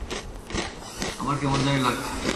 আমার কেমন জানি লাগছে।